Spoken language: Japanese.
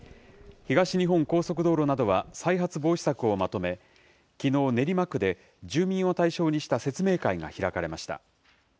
東日本高速道路などは再発防止策をまとめ、きのう、練馬区で住民を対象にした説明会が開かれました。